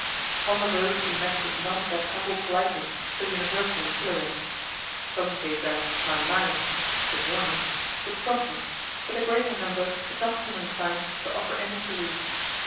On the road we met with none of that humble politeness so universal in Chiloe. Some gave their "mari mari" (good morning) with promptness, but the greater number did not seem inclined to offer any salute.